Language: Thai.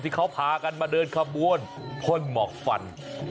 ที่เขาพากันมาเดินขบวนพ่นหมอกฟัน